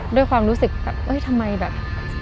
ด้วยความรู้สึกแบบเอ้ยทำไมแบบ